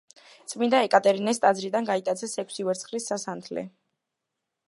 წმინდა ეკატერინეს ტაძრიდან გაიტაცეს ექვსი ვერცხლის სასანთლე.